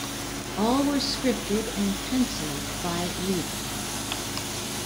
All were scripted and penciled by Lieber.